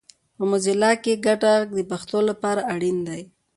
په موزیلا کې ګډ غږ د پښتو لپاره اړین دی